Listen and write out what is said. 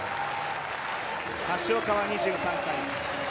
橋岡は２３歳。